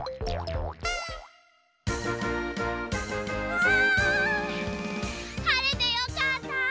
わあはれてよかった！